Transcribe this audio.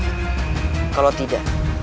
mencari masalah kalau tidak